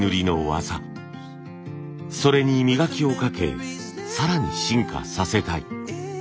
それに磨きをかけ更に進化させたい。